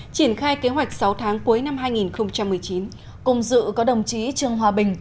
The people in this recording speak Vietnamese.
triển khai kế hoạch sáu tháng cuối năm hai nghìn một mươi chín cùng dự có đồng chí trương hòa bình